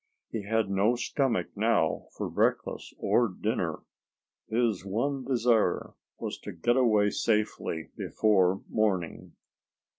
He had no stomach now for breakfast or dinner. His one desire was to get away safely before morning.